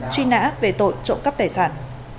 truy nã về tội trộm cắp tài sản